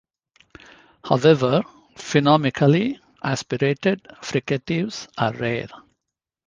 However, phonemically aspirated fricatives are rare.